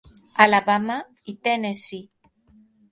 Alabama i Tennessee.